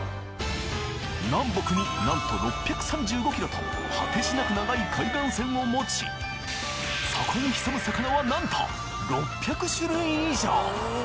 南北になんと６３５ｋｍと果てしなく長い海岸線を持ちそこに潜む魚はなんと６００種類以上！